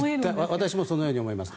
私もそのように思います。